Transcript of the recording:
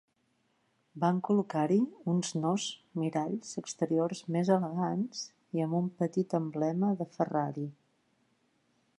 Van col·locar-hi uns nos miralls exteriors més elegants i amb un petit emblema de Ferrari.